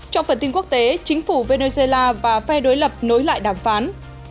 trong phần tin quốc tế chính phủ venezuela và phe đối lập nối lại đàm phán